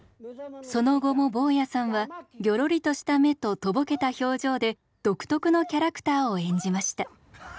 その後も坊屋さんはぎょろりとした目ととぼけた表情で独特のキャラクターを演じました。